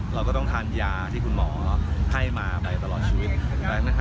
เราก็ต้องทานยาที่คุณหมอให้มาไปตลอดชีวิต